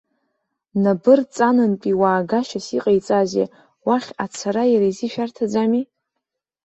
Набырҵанынтәи уаагашьас иҟаиҵазеи, уахь ацара иара изы ишәарҭаӡами?